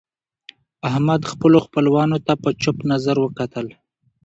احمد خپلو خپلوانو ته په چپ نظر وکتل.